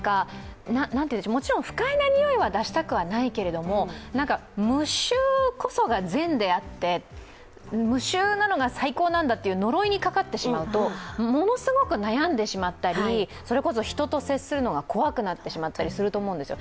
もちろん不快なにおいは出したくはないけれども無臭こそが善であって、無臭なのが最高なんだという呪いにかかってしまうと、ものすごく悩んでしまったり、それこそ人と接するのが怖くなってしまったりすると思うんですよ。